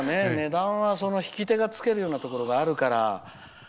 値段は弾き手がつけるようなところがあるから。